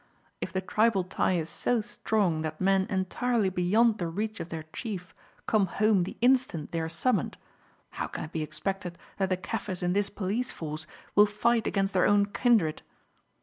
If the tribal tie is so strong that men entirely beyond the reach of their chief come home the instant they are summoned, how can it be expected that the Kaffirs in this police force will fight against their own kindred?"